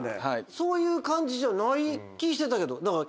そういう感じじゃない気してたけど。